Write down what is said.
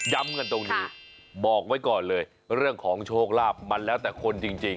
กันตรงนี้บอกไว้ก่อนเลยเรื่องของโชคลาภมันแล้วแต่คนจริง